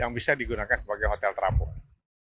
dan juga bisa digunakan sebagai hotel terampung